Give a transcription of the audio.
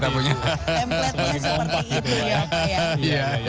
templatenya seperti itu ya